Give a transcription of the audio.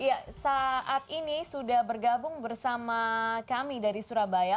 ya saat ini sudah bergabung bersama kami dari surabaya